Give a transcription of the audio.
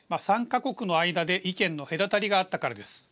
３か国の間で意見の隔たりがあったからです。